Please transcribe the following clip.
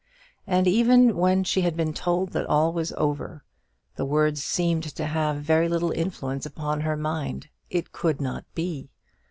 And even when she had been told that all was over, the words seemed to have very little influence upon her mind. It could not be!